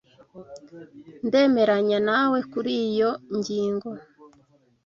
Ndemeranya nawe kuri iyo ngingo.